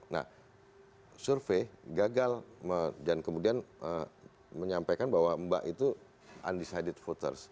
nah survei gagal dan kemudian menyampaikan bahwa mbak itu undecided voters